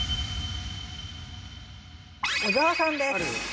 小沢さんです。